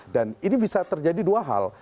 dan ini bisa terjadi dua hal